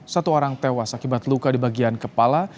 satu orang tewas akibat luka di bagian kepala